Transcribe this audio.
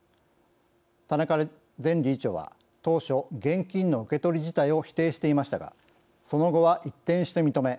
田中前理事長は当初、現金の受け取り自体を否定していましたがその後は一転して認め